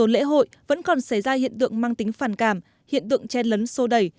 lễ hội vẫn còn xảy ra hiện tượng mang tính phản cảm hiện tượng chen lấn sô đẩy